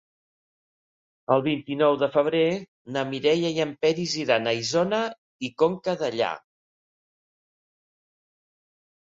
El vint-i-nou de febrer na Mireia i en Peris iran a Isona i Conca Dellà.